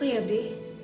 oh ya be